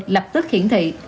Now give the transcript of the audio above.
lập tức hiển thị